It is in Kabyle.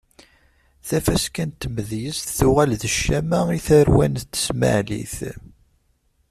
Tafaska n tmedyezt tuɣal d ccama i tarwan n tesmaɛlit.